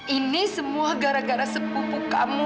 ini semua gara gara sepupu kamu